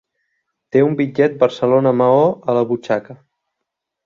Té un bitllet Barcelona-Maó a la butxaca.